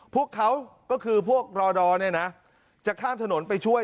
พวกเขาก็คือพวกรอดอจะข้ามถนนไปช่วย